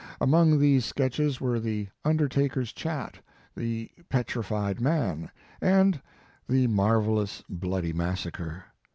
Among these sketches were "The Undertaker s Chat," "The Petrified Man," and "The Mar velous Bloody Massacre.